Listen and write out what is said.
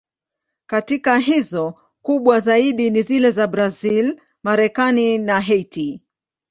Katika hizo, kubwa zaidi ni zile za Brazil, Marekani na Haiti.